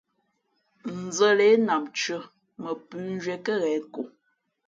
Nzα̌ lě, nam tʉ̄ᾱ, mα pʉ̌nzhwíé kάghěn ko.